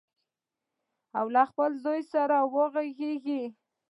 او له خپل زوی سره وغږیږي.